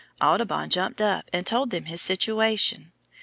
Audubon jumped up and told them his situation.